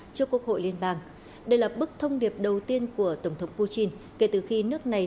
trước quốc hội liên bang đây là bức thông điệp đầu tiên của tổng thống putin kể từ khi nước này